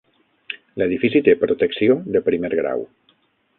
L'edifici té protecció de primer grau.